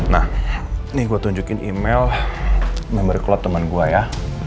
nah ini gue tunjukin email memberi cloud teman gue ya